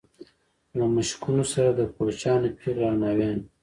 له مشکونو سره د کوچیانو پېغلې او ناويانې.